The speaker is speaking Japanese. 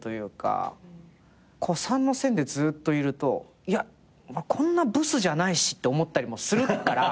こう三の線でずっといるとこんなブスじゃないしって思ったりもするから。